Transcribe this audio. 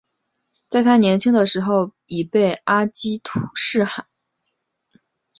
在他年轻的时候已被阿积士青年队侦察。